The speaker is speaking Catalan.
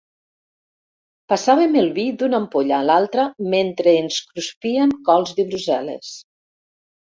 Passàvem el vi d'una ampolla a l'altra, mentre ens cruspíem cols de Brussel·les.